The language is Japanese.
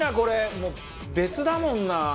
もう別だもんな。